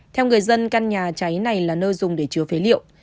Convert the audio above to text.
theo người dân căn nhà cháy này là nơi dùng để chứa phế liệu